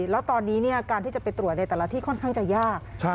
แล้วตอนนี้การที่จะไปตรวจในแต่ละที่ค่อนข้างจะยาก